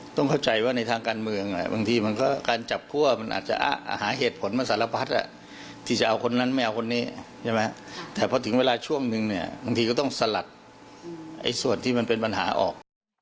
ต้องเข้าใจว่าในทางการเมืองบางทีมันก็การจับคั่วมันอาจจะหาเหตุผลมาสารพัดที่จะเอาคนนั้นไม่เอาคนนี้ใช่ไหมแต่พอถึงเวลาช่วงนึงเนี่ยบางทีก็ต้องสลัดส่วนที่มันเป็นปัญหาออก